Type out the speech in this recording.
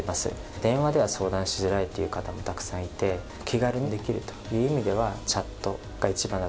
電話では相談しづらいという方もたくさんいて気軽にできるという意味ではチャットが一番だと思うので。